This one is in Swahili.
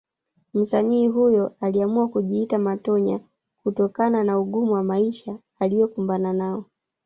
Msanii huyo aliamua kujiita Matonya kutokana na ugumu wa maisha aliokumbana nao